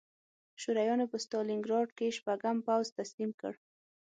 شورویانو په ستالینګراډ کې شپږم پوځ تسلیم کړ